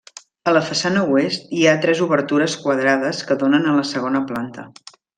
A la façana oest, hi ha tres obertures quadrades que donen a la segona planta.